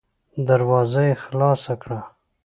دروازه يې خلاصه کړه.